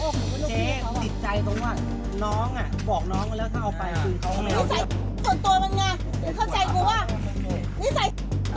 นี่ไงเนี่ย๙๐๐๐กว่าบาทเนี่ย